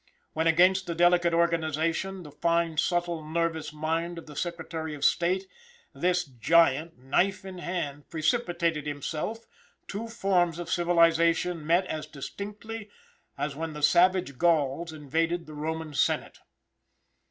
When against the delicate organization, the fine, subtle, nervous mind of the Secretary of State, this giant, knife in hand, precipitated himself, two forms of civilization met as distinctly as when the savage Gauls invaded the Roman senate.